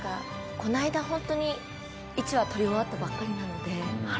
この間本当に１話を撮り終わったばかりなので。